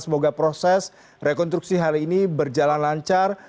semoga proses rekonstruksi hari ini berjalan lancar